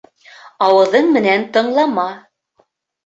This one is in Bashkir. Ауыҙың менән тыңлама.